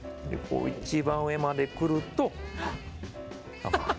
一番上までくると。